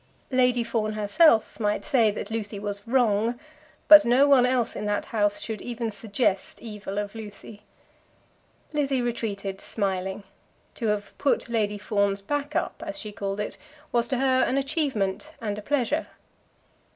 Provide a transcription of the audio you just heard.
Lady Fawn herself might say that Lucy was "wrong," but no one else in that house should even suggest evil of Lucy. Lizzie retreated smiling. To have "put Lady Fawn's back up," as she called it, was to her an achievement and a pleasure.